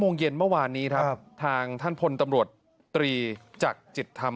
โมงเย็นเมื่อวานนี้ครับทางท่านพลตำรวจตรีจักรจิตธรรม